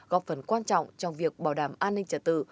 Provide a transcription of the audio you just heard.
góp phần quan trọng trong việc bảo đảm an ninh trả tự